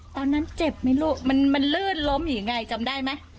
ตอนนั้นเจ็บไหมลูกมันลื่นล้มหรือยังไงจำได้ไหม